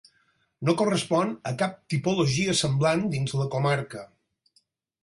No correspon a cap tipologia semblant dins la comarca.